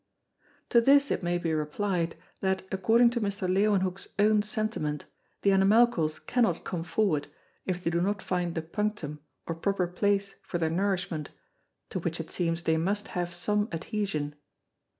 To this it may be replied, that according to Mr. Leewenhoeck's own Sentiment, the Animalcles cannot come forward, if they do not find the Punctum or proper place for their Nourishment, to which it seems they must have some Adhæsion.